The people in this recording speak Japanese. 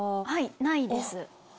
ないです。